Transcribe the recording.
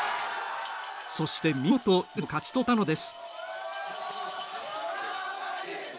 そして見事、誘致を勝ち取ったのです。